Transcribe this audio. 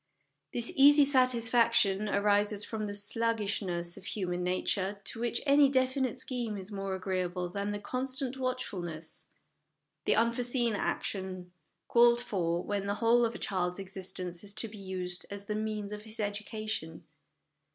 This easy satisfaction arises from the sluggishness of human nature, to which any definite scheme is more agree able than the constant watchfulness, the unforeseen action, called for when the whole of a child's exist ence is to be used as the means of his education.